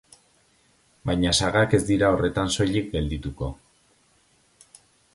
Baina sagak ez dira horretan soilik geldituko.